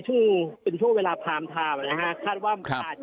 ซึ่งเป็นช่วงเวลาพาร์มทาร์มขาตว่า